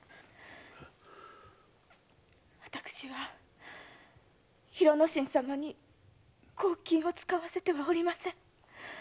私は広之進様に公金を使わせてはおりません。